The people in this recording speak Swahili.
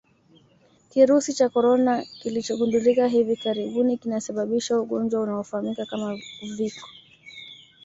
Kirusi cha Corona kilichogundulika hivi karibuni kinasababisha ugonjwa unaofahamika kama Uviko